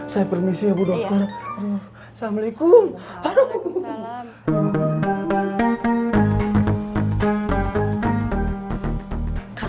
saya permisi ya bu dokter assalamualaikum